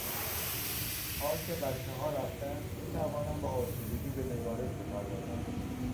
حال که بچهها رفتهاند میتوانم با آسودگی به نگارش بپردازم.